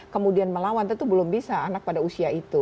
kemudian melawan tentu belum bisa anak pada usia itu